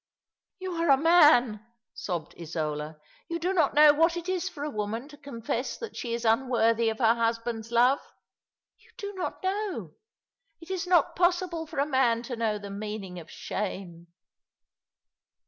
" You are a man," sobbed Isola. " You do not know what it is for a woman to confess that she is unworthy of her husband's love. You do not know. It is not possible for a man to know the meaning of shame."